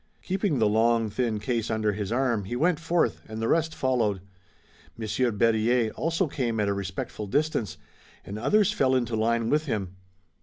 Keeping the long, thin case under his arm, he went forth, and the rest followed. Monsieur Berryer also came at a respectful distance, and others fell into line with him.